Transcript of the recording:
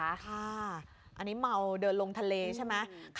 อันนี้เมาเดินลงทะเลใช่ไหม